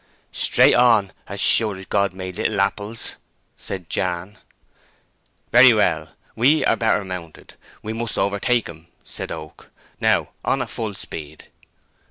"Straight on, as sure as God made little apples," said Jan. "Very well; we are better mounted, and must overtake 'em", said Oak. "Now on at full speed!"